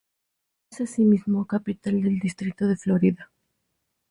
Es asimismo capital del distrito de Florida.